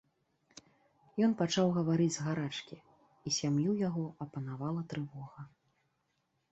Ён пачаў гаварыць з гарачкі, і сям'ю яго апанавала трывога.